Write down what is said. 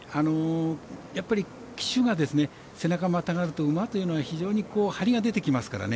やっぱり騎手が背中、またがると馬というのはハリが出てきますからね。